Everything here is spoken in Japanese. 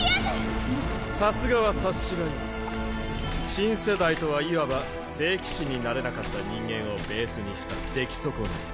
新世代とはいわば聖騎士になれなかった人間をベースにした出来損ない。